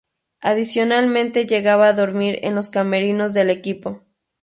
Adicionalmente llegaba a dormir en los camerinos del equipo.